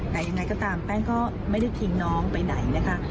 แต่ยังไงก็ตามแป้งก็ไม่ได้ทิ้งน้องไปไหนนะคะ